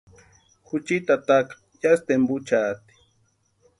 Juchiti tataka yásï tempuchaati.